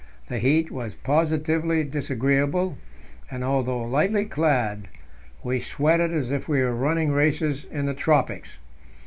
the heat was positively disagreeable, and, although lightly clad, we sweated as if we were running races in the tropics.